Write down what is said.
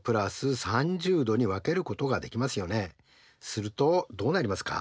するとどうなりますか？